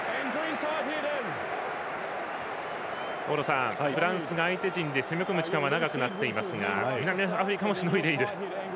大野さん、フランスが相手時間で攻め込む時間が長くなっていますが南アフリカもしのいでいる。